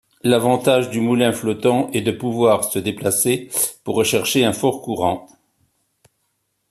L'avantage du moulin flottant est de pouvoir se déplacer pour rechercher un fort courant.